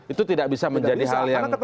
itu tidak bisa menjadi hal yang